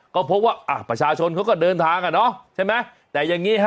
ก็พบว่าอ่ะประชาชนเขาก็เดินทางอ่ะเนาะใช่ไหมแต่อย่างนี้ฮะ